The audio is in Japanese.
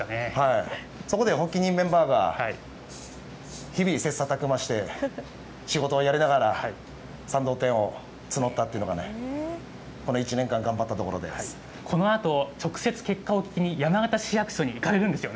そこで発起人メンバーが日々切さたく磨して、仕事をやりながら、賛同店を募ったというのが、このこのあと、直接、結果を聞きに山形市役所に行かれるんですよね。